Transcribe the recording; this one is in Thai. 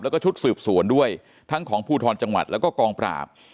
แล้วก็ชุดสืบสวนด้วยทั้งของภูทรจังหวัดแล้วก็กองปราบ